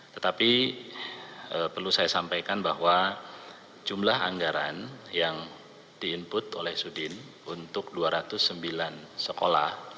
tetapi perlu saya sampaikan bahwa jumlah anggaran yang di input oleh sudin untuk dua ratus sembilan sekolah